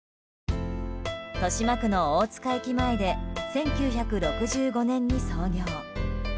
豊島区の大塚駅前で１９６５年に創業。